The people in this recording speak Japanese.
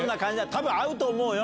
多分合うと思うよ。